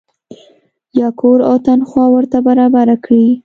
یا کور او تنخوا ورته برابره کړي.